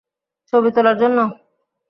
ছবি তোলার জন্য?